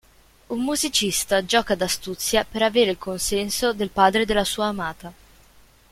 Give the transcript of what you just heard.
Un musicista gioca d'astuzia per avere il consenso del padre della sua amata.